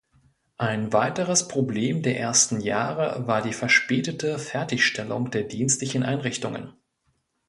Als weiteres Problem der ersten Jahre war die verspätete Fertigstellung der dienstlichen Einrichtungen.